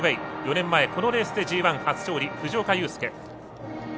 ４年前、このレースでＧＩ初勝利、藤岡佑介。